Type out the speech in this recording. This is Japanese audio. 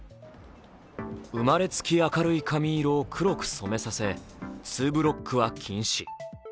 生まれつき明るい髪色を黒く染めさせツーブロックは禁止。